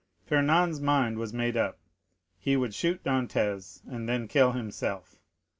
Fernand's mind was made up; he would shoot Dantès, and then kill himself.